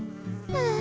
ああ。